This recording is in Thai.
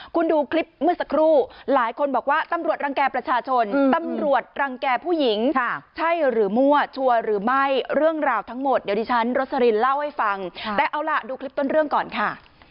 คุณดูคลิปเมื่อสักครู่หลายคนบอกว่าตำรวจรังแก่ประชาชนตำรวจรังแก่ผู้หญิงใช่หรือมั่วชัวร์หรือไม่เรื่องราวทั้งหมดเดี๋ยวดิฉันรสลินเล่าให้ฟังแต่เอาล่ะดูคลิปต้นเรื่องก่อนค่ะ